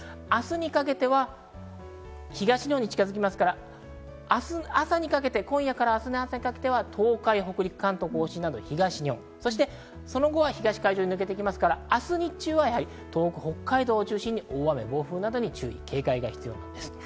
明日にかけては東日本に近づきますから、明日朝にかけて東海、北陸、関東甲信など東日本、その後は東海上に抜けますから明日日中は東北、北海道を中心に大雨、暴風に警戒が必要です。